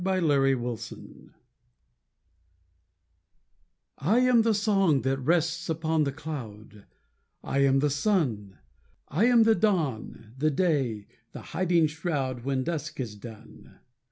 I AM THE WORLD I am the song, that rests upon the cloud; I am the sun: I am the dawn, the day, the hiding shroud, When dusk is done.